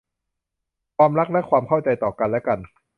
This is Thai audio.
ความรักและความเข้าใจต่อกันและกัน